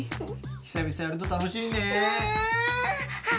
久々やると楽しいねねえあっ